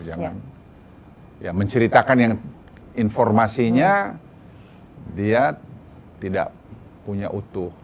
jangan menceritakan yang informasinya dia tidak punya utuh